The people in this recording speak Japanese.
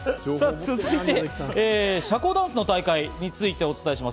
続いて社交ダンスの大会についてお伝えします。